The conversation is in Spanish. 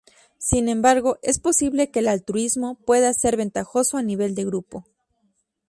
Sin embargo, es posible que el altruismo pueda ser ventajoso a nivel de grupo.